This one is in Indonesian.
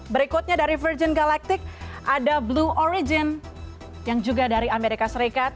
berikutnya dari virgin galactic ada blue origin yang juga dari amerika serikat